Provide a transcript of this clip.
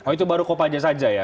itu baru kopaja saja ya